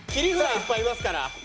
いっぱいいますから。